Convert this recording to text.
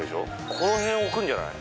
この辺置くんじゃない？